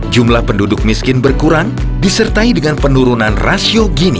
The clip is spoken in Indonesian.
jumlah penduduk miskin berkurang disertai dengan penurunan rasio gini